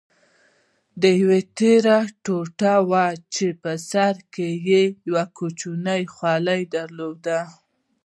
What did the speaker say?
دا یوه تېره ټوټه وه چې په سر کې یې یو کوچنی خولۍ درلوده.